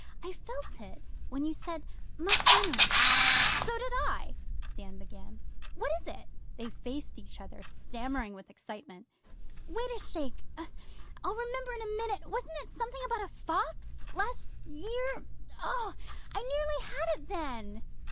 I felt it when you said "Mus' Reynolds."' 'So did I,' Dan began. 'What is it?' They faced each other, stammering with excitement. 'Wait a shake! I'll remember in a minute. Wasn't it something about a fox last year? Oh, I nearly had it then!